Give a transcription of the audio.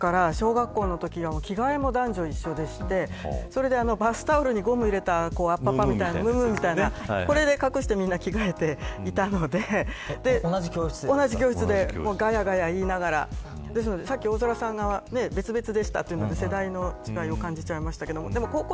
世代ですから小学校のときは着替えも男女一緒でしてバスタオルにゴムを入れたやつがあってそれで隠してみんな着替えていたので同じ教室でがやがや言いながらですので、さっき大空さんが別々でしたというのを聞いて世代の違いを感じちゃいましたけれども。